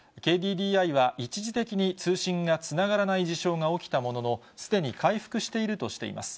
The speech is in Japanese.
ＫＤＤＩは一時的に通信がつながらない事象が起きたものの、すでに回復しているとしています。